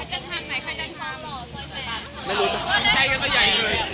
ถ้าใครได้ทำยค่ะเธอร์มาหรอก